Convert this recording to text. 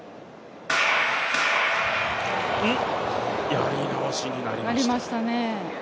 やり直しになりました。